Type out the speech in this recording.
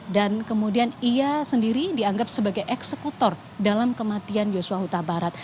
dan kemudian ia sendiri dianggap sebagai eksekutor dalam kematian yusuf huta barat